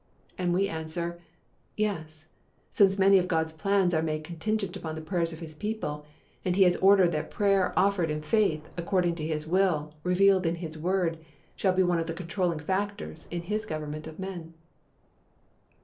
And we answer, "Yes," since many of God's plans are made contingent upon the prayers of His people, and He has ordered that prayer offered in faith, according to His will, revealed in His word, shall be one of the controlling factors in His government of men.